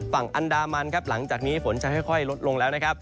ฝั่งอันดามันหลังจากนี้ฝนจะค่อยลดลงแล้ว